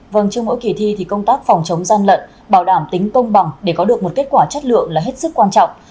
vâng trong mỗi kỳ thi thì công tác phòng chống gian lận bảo đảm tính công bằng để có được một kết quả chất lượng là hết sức quan trọng